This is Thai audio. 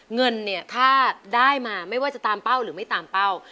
เงินเนี่ยถ้าได้มาไม่ว่าจะตามเป้าหรือไม่ตามเป้า